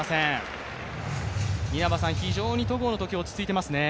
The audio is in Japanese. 非常に戸郷の投球、落ち着いてますね。